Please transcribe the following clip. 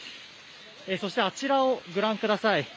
そしてあちらをご覧ください。